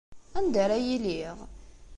Anda ara iliɣ?